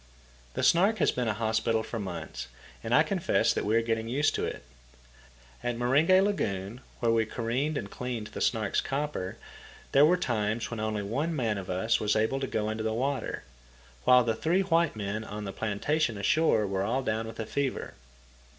The Snark has been a hospital for months, and I confess that we are getting used to it. At Meringe Lagoon, where we careened and cleaned the Snark's copper, there were times when only one man of us was able to go into the water, while the three white men on the plantation ashore were all down with fever.